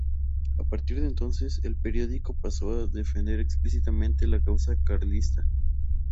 A partir de entonces, el periódico pasó a defender explícitamente la causa carlista.